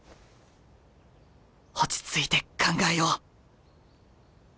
落ち着いて考えよう。